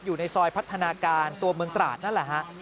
อยู่ในซอยพัฒนาการตัวเมืองตราดนั่นแหละฮะ